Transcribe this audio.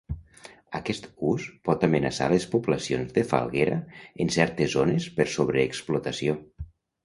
Aquest ús pot amenaçar les poblacions de falguera en certes zones per sobreexplotació.